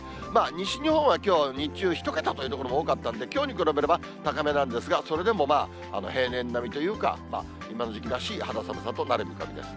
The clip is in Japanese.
西日本はきょう、日中、１桁という所も多かったんで、きょうに比べれば、高めなんですが、それでも平年並みというか、今の時期らしい肌寒さとなる見込みです。